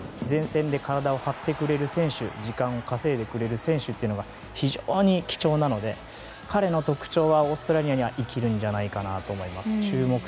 前線で体を張ってくれる選手時間を稼いでくれる選手というのが非常に貴重なので彼の特徴はオーストラリアには生きると思います。